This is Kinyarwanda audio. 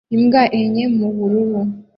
Imbwa enye mubururu